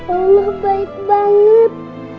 allah baik banget